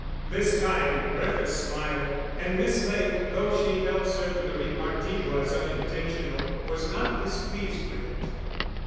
This time Bertha smiled, and Miss Ley, though she felt certain the repartee was unintentional, was not displeased with it.